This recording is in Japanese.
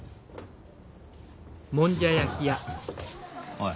おい。